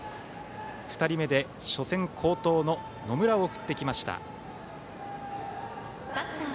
２人目で初戦好投の野村を送ってきました。